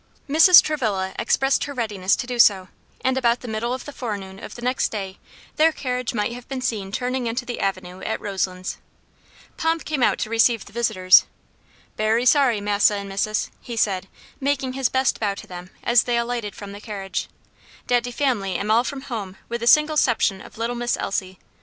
Mrs. Travilla expressed her readiness to do so; and about the middle of the forenoon of the next day their carriage might have been seen turning into the avenue at Roselands. Pomp came out to receive the visitors. "Berry sorry, Massa and Missus," he said, making his best bow to them as they alighted from the carriage, "dat de family am all from home with the single 'ception of little Miss Elsie.